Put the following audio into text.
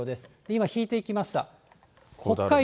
今、引いていきました。